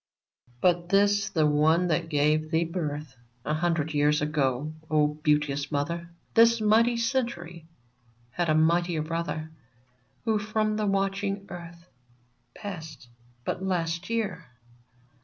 But this — the one that gave thee birth A hundred years ago, O beauteous mother ! This mighty Century had a mightier brother, Who from the watching earth Passed but last year